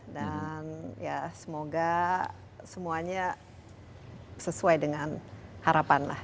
dan semoga semuanya sesuai dengan harapan